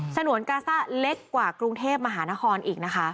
นวนกาซ่าเล็กกว่ากรุงเทพมหานครอีกนะคะ